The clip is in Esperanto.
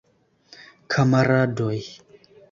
Kamaradoj!